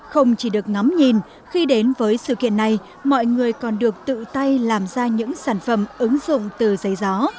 không chỉ được ngắm nhìn khi đến với sự kiện này mọi người còn được tự tay làm ra những sản phẩm ứng dụng từ giấy gió